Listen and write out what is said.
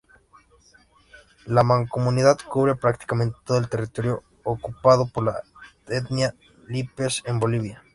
La mancomunidad cubre prácticamente todo el territorio ocupado por la etnia Lípez en Bolivia.